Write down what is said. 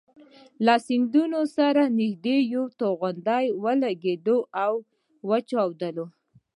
له سیند سره نژدې یوه توغندۍ ولګېدل او وچاودل.